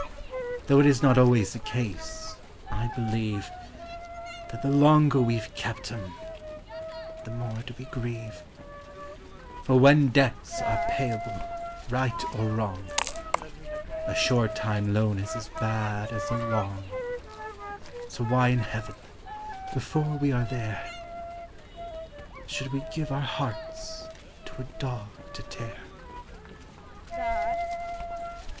Though it is not always the case, I believe, That the longer we've kept 'em, the more do we grieve: For, when debts are payable, right or wrong, A short time loan is as bad as a long So why in Heaven (before we are there!) Should we give our hearts to a dog to tear?